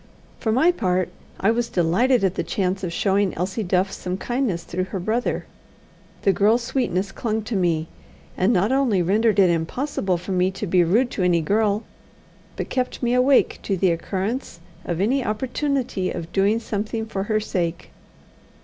For my part, I was delighted at the chance of showing Elsie Duff some kindness through her brother. The girl's sweetness clung to me, and not only rendered it impossible for me to be rude to any girl, but kept me awake to the occurrence of any opportunity of doing something for her sake.